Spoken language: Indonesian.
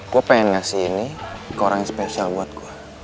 gue pengen ngasih ini ke orang yang spesial buat gue